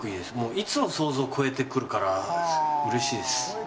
いつも想像を超えてくるからうれしいです。